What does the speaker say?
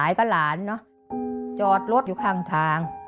หนูก็จะไปช่วยแม่เก็บของ